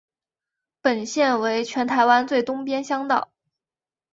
本线为全台湾最东边乡道。